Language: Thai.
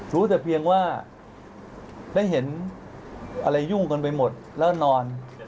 รู้แต่เพียงว่าได้เห็นอะไรยุ่งกันไปหมดแล้วนอน